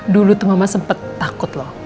dulu tuh mama sempat takut loh